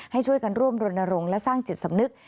ให้ช่วยกันร่วมรณรงค์และสร้างจิตสำนึก